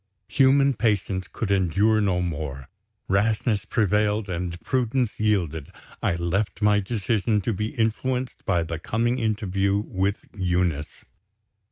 Human patience could endure no more. Rashness prevailed and prudence yielded I left my decision to be influenced by the coming interview with Eunice.